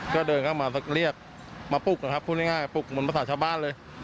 ก็เดินเข้ามาเรียกมาปลุกนะครับพูดง่ายปลุกเหมือนภาษาชาวบ้านเลย